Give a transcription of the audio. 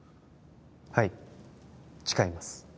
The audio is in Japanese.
はい誓います